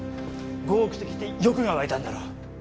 ５億と聞いて欲が湧いたんだろ。